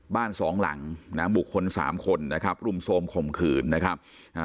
บ้านสองหลังนะบุคคลสามคนนะครับรุมโทรมข่มขืนนะครับอ่า